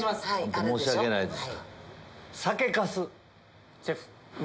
申し訳ないです。